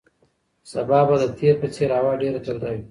سبا به د تېر په څېر هوا ډېره توده وي.